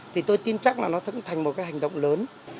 thì tôi tin chắc là nó cũng thành một cái hành động lớn